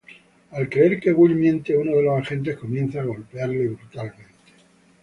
Al creer que Will miente, uno de los agentes comienza a golpearle brutalmente.